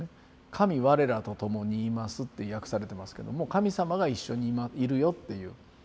「神われらと共にいます」って訳されてますけども神様が一緒にいるよっていう。